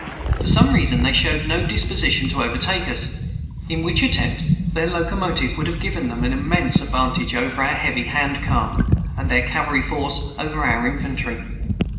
For some reason they showed no disposition to overtake us, in which attempt their locomotive would have given them an immense advantage over our heavy hand car, and their cavalry force over our infantry.